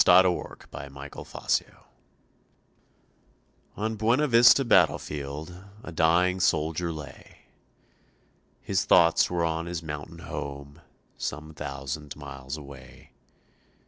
BUENA VISTA BATTLEFIELD On Buena Vista battlefield A dying soldier lay, His thoughts were on his mountain home Some thousand miles away.